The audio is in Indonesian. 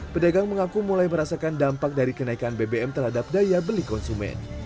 pedagang mengaku mulai merasakan dampak dari kenaikan bbm terhadap daya beli konsumen